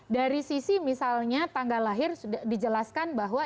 dari sisi misalnya tanggal lahir sudah dijelaskan bahwa